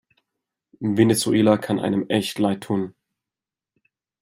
Venezuela kann einem echt leidtun.